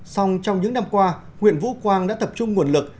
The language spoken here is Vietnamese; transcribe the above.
xong trong những năm qua huyện vũ quang đã tập trung nguồn lực